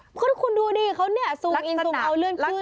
เพราะทุกคนดูดิเขาซูมอินซูมเอาเลื่อนขึ้น